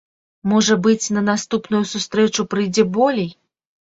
Можа быць, на наступную сустрэчу прыйдзе болей.